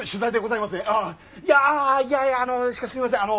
いやあいやいやあのしかしすいませんあの。